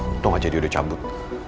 untung aja dia udah cabut